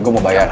gue mau bayar